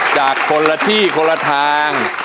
จากคนละที่คนละทาง